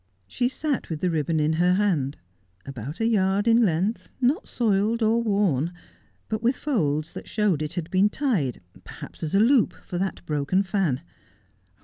She sat with the ribbon in her hand, about a vard in length, not soiled or worn, but with folds that showed that it had been tied, perhaps as a loop for that broken fan.